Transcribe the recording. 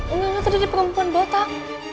ini tadi ada perempuan betah